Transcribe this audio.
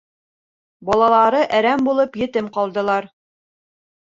Балалары әрәм булып етем ҡалдылар.